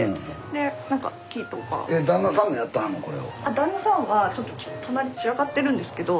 旦那さんはちょっと隣散らかってるんですけど。